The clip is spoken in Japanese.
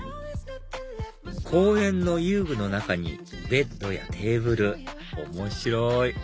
公園の遊具の中にベッドやテーブル面白い！